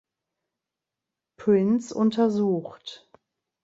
Prince untersucht.